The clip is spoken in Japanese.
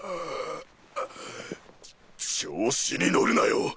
ちょ調子に乗るなよ